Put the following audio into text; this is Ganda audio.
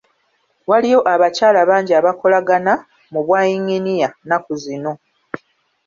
Waliyo abakyala bangi abakolagana mu bwa yinginiya nnaku zino.